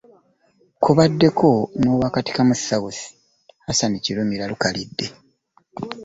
Kubaddeko n'owa Katikamu South Hassan Kirumira Lukalidde.